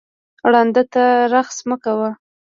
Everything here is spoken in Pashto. ړانده ته رخس مه کوه